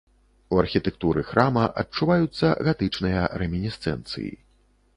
У архітэктуры храма адчуваюцца гатычныя рэмінісцэнцыі.